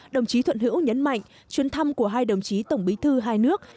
đồng chí thuận hữu nhấn mạnh chuyến thăm của hai đồng chí tổng bí thư hai nước